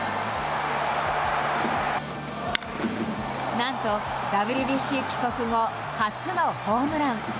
何と、ＷＢＣ帰国後初のホームラン。